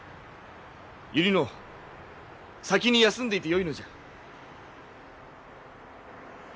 百合野先に休んでいてよいのじゃ。